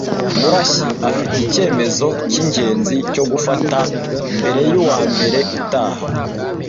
Murashyi afite icyemezo cyingenzi cyo gufata mbere yuwambere utaha.